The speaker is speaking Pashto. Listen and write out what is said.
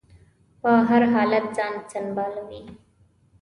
په هر حالت ځان سنبالوي.